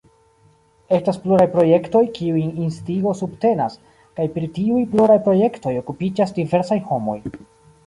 Estas pluraj projektoj, kiujn Instigo subtenas, kaj pri tiuj pluraj projektoj okupiĝas diversaj homoj.